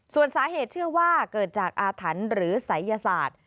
ส่วนสาเหตุเชื่อว่าเกิดจากอาถรรพ์หรือศัยยศาสตร์